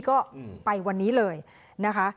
ก็ไปวันนี้เลยนะคะ